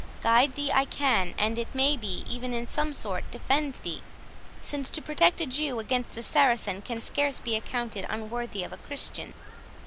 Guide thee I can; and, it may be, even in some sort defend thee; since to protect a Jew against a Saracen, can scarce be accounted unworthy of a Christian.